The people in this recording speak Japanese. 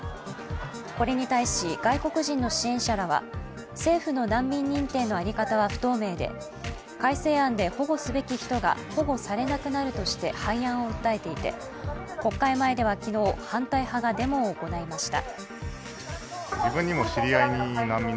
これに対し外国人の支援者らは政府の難民認定の在り方は不透明で、改正案で保護すべき人が保護されなくなるとして廃案を訴えていて国会前では昨日、反対派がデモを行いました。